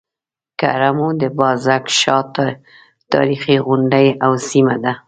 کرمو د بازک شاه تاريخي غونډۍ او سيمه ده.